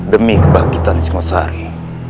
demi kebahagiaan singosari